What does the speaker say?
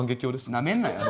なめんなよ。